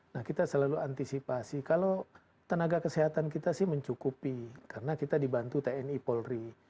nah kita selalu antisipasi kalau tenaga kesehatan kita sih mencukupi karena kita dibantu tni polri